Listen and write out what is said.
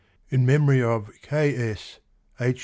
(In memory of K.S., H.